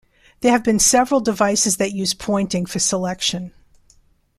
There have been several devices that use pointing for selection.